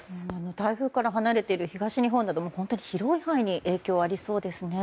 台風から離れている東日本など本当に広い範囲に影響がありそうですね。